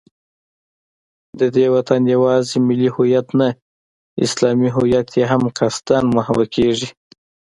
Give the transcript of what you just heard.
د دې وطن یوازې ملي هویت نه، اسلامي هویت یې هم قصدا محوه کېږي